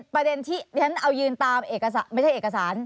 ประเด็นที่ฉันเอายืนตามไม่ใช่เอกสาร